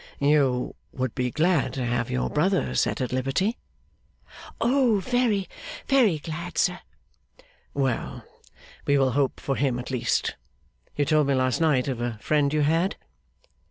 'You would be glad to have your brother set at liberty?' 'Oh very, very glad, sir!' 'Well, we will hope for him at least. You told me last night of a friend you had?